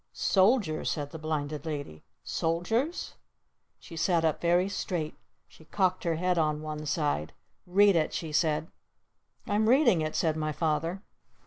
"Soldiers?" said the Blinded Lady. "Soldiers?" She sat up very straight. She cocked her head on one side. "Read it!" she said. "I'm reading it!" said my Father.